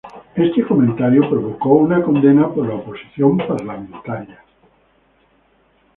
Este comentario provocó una condena por la oposición parlamentaria.